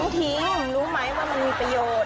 เดี๋ยวพึ่งทิ้งรู้ไหมว่ามันมีประโยชน์